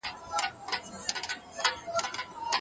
ولسمشر نوی تړون نه لاسلیک کوي.